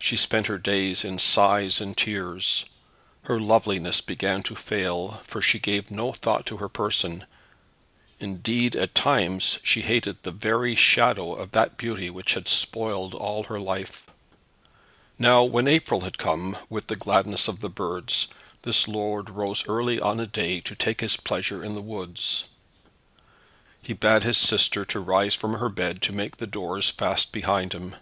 She spent her days in sighs and tears. Her loveliness began to fail, for she gave no thought to her person. Indeed at times she hated the very shadow of that beauty which had spoiled all her life. Now when April had come with the gladness of the birds, this lord rose early on a day to take his pleasure in the woods. He bade his sister to rise from her bed to make the doors fast behind him.